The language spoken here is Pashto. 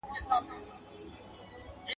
• غوټه چي په لاس خلاصېږي، غاښ ته څه حاجت دئ؟